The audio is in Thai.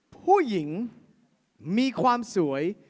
ผู้หญิงมีความสวย